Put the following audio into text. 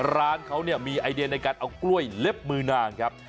ร้านเขาเนี่ยมีไอเดียในการเอากล้วยเล็บมือนางครับ